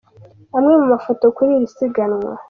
Amwe mu mafoto kuri iri siganwa.